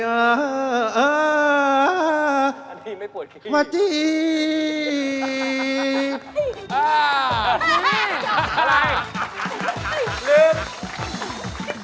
เอ่อเอ่อเอ่อเอ่อมาจีบ